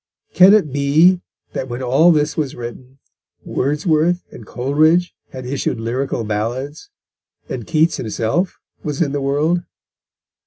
Can it be that when all this was written, Wordsworth and Coleridge had issued Lyrical Ballads, and Keats himself was in the world?